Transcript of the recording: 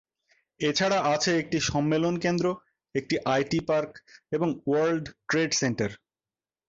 এছাড়া আছে একটি সম্মেলন কেন্দ্র, একটি আইটি পার্ক এবং ওয়ার্ল্ড ট্রেড সেন্টার।